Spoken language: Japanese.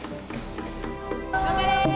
頑張れ！